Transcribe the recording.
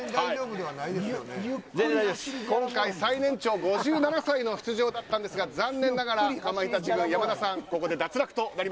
今回、最年長５７歳の出場だったんですが残念ながら、かまいたち軍山田さんすみません。